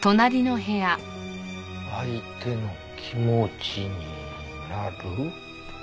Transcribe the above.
相手の気持ちになる？